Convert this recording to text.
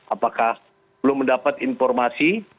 apakah belum mendapat informasi